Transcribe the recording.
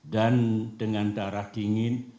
dan dengan darah dingin